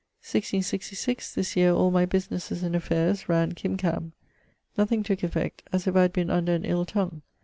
1666: this yeare all my businesses and affaires ran kim kam. Nothing tooke effect, as if I had been under an ill tongue.